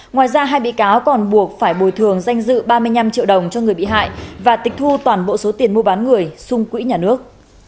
ngoài ra hai bị cáo còn buộc phải bồi thường danh dự ba mươi năm triệu đồng cho người bị hại và tịch thu toàn bộ số tiền mua bán người xung quỹ nhà nước